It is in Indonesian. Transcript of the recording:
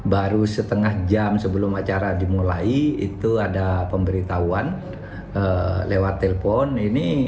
baru setengah jam sebelum acara dimulai itu ada pemberitahuan lewat telpon